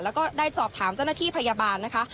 แล้วก็ได้สอบถามเจ้าหน้าที่พยาบาลนะคะ